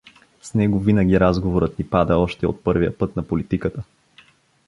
С него винаги разговорът ни пада още от първия път на политиката.